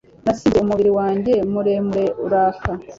Nasimbutse umubiri wanjye muremure uraka